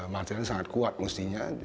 materialnya sangat kuat mestinya